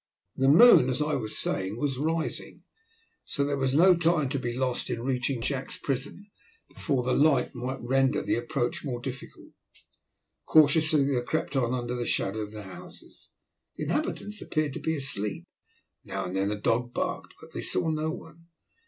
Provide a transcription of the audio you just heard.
The moon, as I was saying, was rising, so there was no time to be lost in reaching Jack's prison before the light might render the approach more difficult. Cautiously they crept on under the shadow of the houses. The inhabitants appeared to be asleep. Now and then a dog barked, but they saw no one.